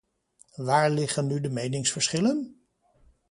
Waar liggen nu de meningsverschillen?